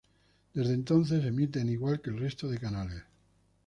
Desde entonces emite en igual que el resto de canales.